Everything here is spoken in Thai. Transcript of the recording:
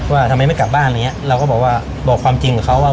ว่าทำไมไม่กลับบ้านเราก็บอกว่าบอกความจริงกับเขาว่า